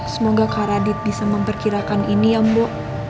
semoga kak radit bisa memperkirakan ini ya mbak